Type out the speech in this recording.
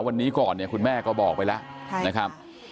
วันนี้ก่อนเนี่ยคุณแม่ก็บอกไปแล้วนะครับ